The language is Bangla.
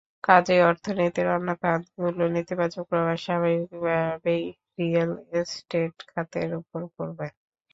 কাজেই অর্থনীতির অন্য খাতগুলোর নেতিবাচক প্রভাব স্বাভাবিকভাবেই রিয়েল এস্টেট খাতের ওপর পড়বে।